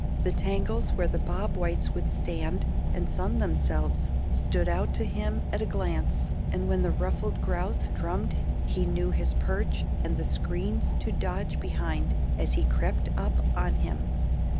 The tangles where the bob whites would stand and sun themselves stood out to him at a glance, and when the ruffed grouse drummed he knew his perch and the screens to dodge behind as he crept up on him.